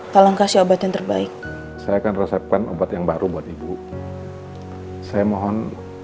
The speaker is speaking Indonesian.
tolong kasih obat yang terbaik saya akan resepkan obat yang baru buat ibu saya mohon